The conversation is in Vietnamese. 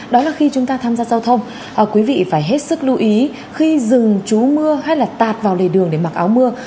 đó là khi chúng ta tham gia giao thông quý vị phải hết sức lưu ý khi dừng chú mưa hay là tạt vào lề đường để mặc áo mưa